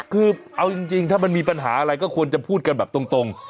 คือเอาจริงถ้ามันมีปัญหาอะไรก็ควรจะพูดกันแบบตรง